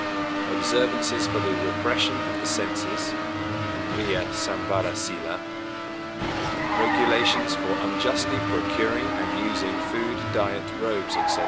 Observances for the repression of the senses (Indriya Samvara Sīla). Regulations for justly procuring and using food, diet, robes, etc.